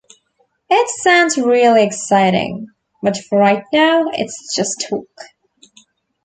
It sounds really exciting, but for right now it's just talk.